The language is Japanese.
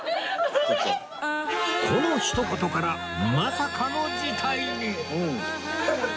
このひと言からまさかの事態に